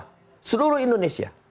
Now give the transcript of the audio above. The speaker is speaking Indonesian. semua seluruh indonesia